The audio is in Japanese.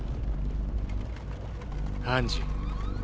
ハンジ。